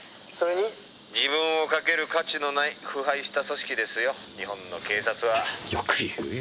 「自分を賭ける価値のない腐敗した組織ですよ日本の警察は」よく言うよ